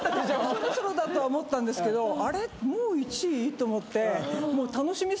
そろそろだとは思ったんですけどあれ？と思って。